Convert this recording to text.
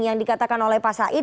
yang dikatakan oleh pak said